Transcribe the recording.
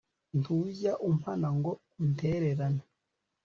ntujya umpana ngo untererane